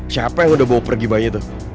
siapa yang udah bawa pergi bayi tuh